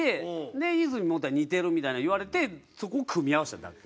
和泉元彌似てるみたいなの言われてそこを組み合わせただけ。